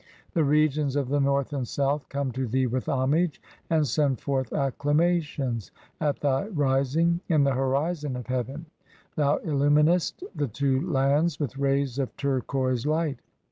The regions of the "North and South come to thee with homage, and send forth "acclamations at thy rising in the horizon of heaven ; thou illu "minest the two lands with rays of turquoise light.